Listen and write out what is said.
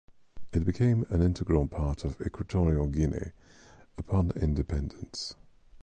It became an integral part of Equatorial Guinea upon independence.